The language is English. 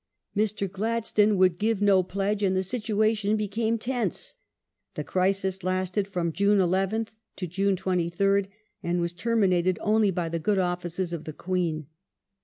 Mr. Gladstone would give no pledge and the situation became tense. The crisis lasted fi'om June 11th to June 23rd, and was terminated only by the good offices of the Queen.